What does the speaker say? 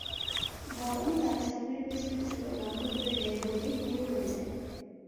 বরং তারা স্বপ্নের পেছনে ছোটা বন্ধ করে দেয় বলেই বুড়ো হয়ে যায়।